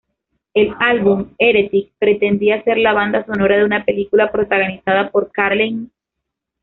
El álmbum"Heretic" pretendía ser la banda sonora de una película protagonizada por Karen Finley.